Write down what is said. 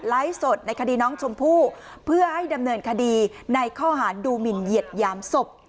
สดในคดีน้องชมพู่เพื่อให้ดำเนินคดีในข้อหารดูหมินเหยียดหยามศพ